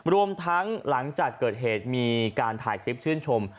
รวมทั้งหลังจากเกิดเหตุมีการถ่ายคลิปชื่นชม